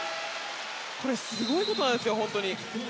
これ、すごいことなんです本当に。